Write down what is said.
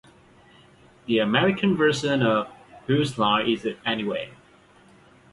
The American version of Whose Line Is It Anyway?